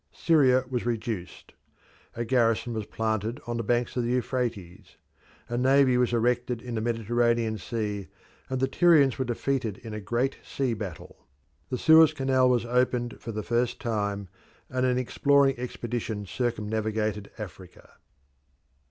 Syria was reduced. A garrison was planted on the banks of the Euphrates. A navy was erected in the Mediterranean Sea, and the Tyrians were defeated in a great sea battle. The Suez Canal was opened for the first time, and an exploring expedition circumnavigated Africa.